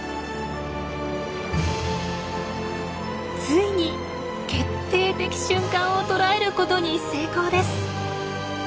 ついに決定的瞬間を捉えることに成功です！